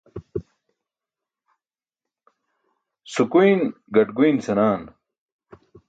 Sukuyn gaṭguyn senaan.